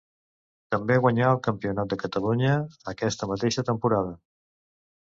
També guanyà el campionat de Catalunya aquesta mateixa temporada.